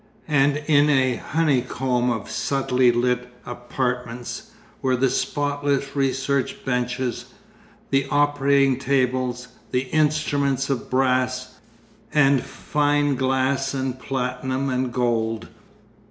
And in a honeycomb of subtly lit apartments, were the spotless research benches, the operating tables, the instruments of brass, and fine glass and platinum and gold.